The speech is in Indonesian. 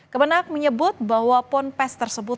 kemenak menyebut bahwa pondok pes tersebut